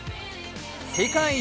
世界一